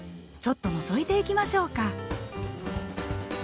ちょっとのぞいていきましょうか。